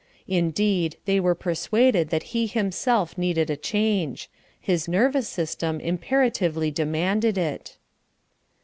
Indeed, they were persuaded that he himself needed a change his nervous system imperatively demanded it.